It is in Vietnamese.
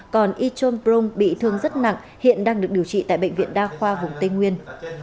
còn y chun prung bị thương rất nặng hiện đang được điều trị tại bệnh viện đa khoa vùng tây nguyên